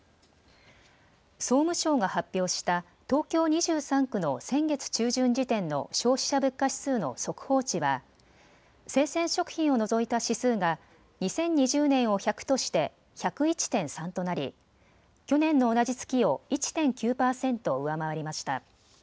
総務省が発表した東京２３区の先月中旬時点の消費者物価指数の速報値は、生鮮食品を除いた指数が、２０２０年を１００として１０１．３となり、去年の同じ月を１．９％上回りました。